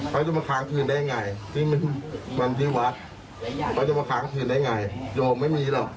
เขาจะมาค้างคืนได้ไงนี่มันวันที่วัดเขาจะมาค้างคืนได้ไงโยมไม่มีหรอก